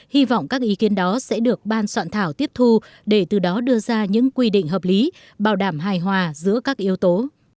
hy vọng các ý kiến đó sẽ được ban soạn thảo tiếp thu để từ đó đưa ra những quy định hợp lý bảo đảm hài hòa giữa các yếu tố